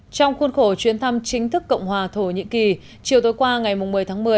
trong khuôn khổ chuyến thăm chính thức cộng hòa thổ nhĩ kỳ chiều tối qua ngày một mươi tháng một mươi